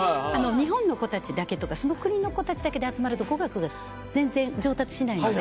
日本の子たちだけとかその国の子たちだけで集まると語学が全然上達しないので。